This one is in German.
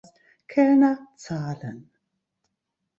Kellner, zahlen!